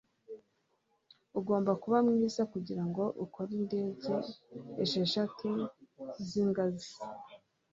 Ugomba kuba mwiza kugirango ukore indege esheshatu zingazi.